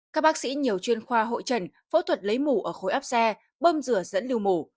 các bác sĩ nhiều chuyên khoa hội trần phẫu thuật lấy mổ ở khối áp xe bơm rửa dẫn lưu mổ